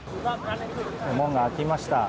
門が開きました。